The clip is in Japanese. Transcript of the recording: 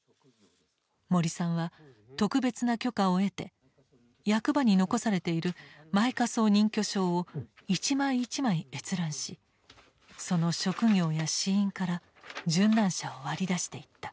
森さんは特別な許可を得て役場に残されている「埋火葬認許証」を一枚一枚閲覧しその職業や死因から殉難者を割り出していった。